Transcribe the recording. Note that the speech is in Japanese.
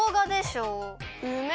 うめ！